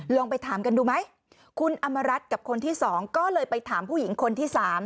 ไปถามกันดูไหมคุณอำมารัฐกับคนที่๒ก็เลยไปถามผู้หญิงคนที่๓